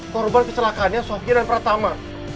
korban keselakaannya sofia dan pratama